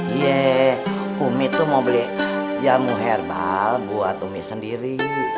iya umi tuh mau beli jamu herbal buat umi sendiri